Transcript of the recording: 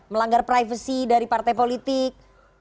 melanggar privasi dari partai politik